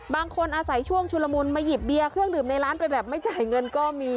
บางคนอาศัยช่วงชุลมุนมาหยิบเบียร์เครื่องดื่มในร้านไปแบบไม่จ่ายเงินก็มี